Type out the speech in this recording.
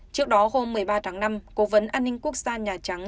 trước đó hôm một mươi ba tháng năm cố vấn an ninh quốc gia nhà trắng